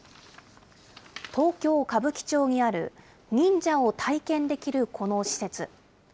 東京・歌舞伎町にある忍者を体験できるこの施設。